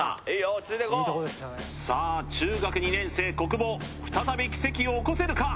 落ち着いていこうさあ中学２年生小久保再び奇跡を起こせるか？